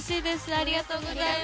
ありがとうございます。